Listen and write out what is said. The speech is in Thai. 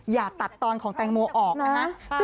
อย่าตัดตอนของแตงโมออกนะคะ